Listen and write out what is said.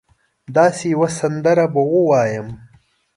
داسي یوه سندره به ووایم